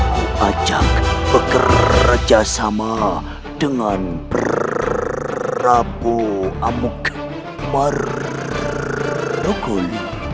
ku ajak bekerjasama dengan prabu amu marukul